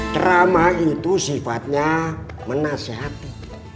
drama itu sifatnya menasehati